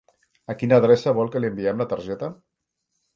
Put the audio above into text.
A quina adreça vol que li enviem la targeta?